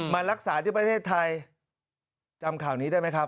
มารักษาที่ประเทศไทยจำข่าวนี้ได้ไหมครับ